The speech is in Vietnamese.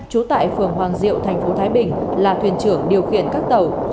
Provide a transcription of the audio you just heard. trú tại phường hoàng diệu thành phố thái bình là thuyền trưởng điều khiển các tàu